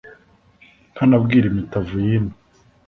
Ntanabwira imitavu y' ino